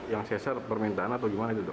yang sesar permintaan atau gimana itu dok